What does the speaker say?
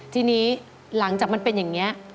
ทีนี้หลังจากมันเป็นอย่างนี้